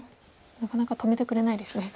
なかなか止めてくれないですね。